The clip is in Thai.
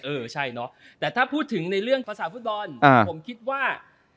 เออใช่เนาะแต่ถ้าพูดถึงในเรื่องภาษาฟุตบอลผมคิดว่า